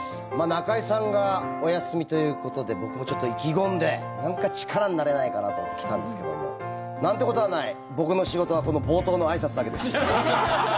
中居さんがお休みということで僕もちょっと意気込んでなんか力になれないかなと思って来たんですけどもなんてことはない僕の仕事はこの冒頭のあいさつだけです。